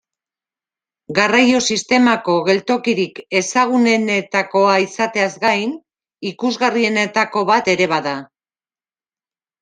Garraio-sistemako geltokirik ezagunenetakoa izateaz gain, ikusgarrienetako bat ere bada.